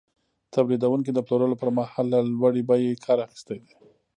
تولیدونکي د پلورلو پر مهال له لوړې بیې کار اخیستی دی